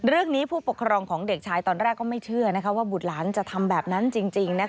ผู้ปกครองของเด็กชายตอนแรกก็ไม่เชื่อว่าบุตรหลานจะทำแบบนั้นจริง